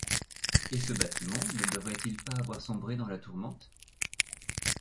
Et ce bâtiment, ne devait-il pas avoir sombré dans la tourmente?